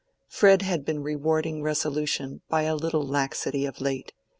Fred had been rewarding resolution by a little laxity of late.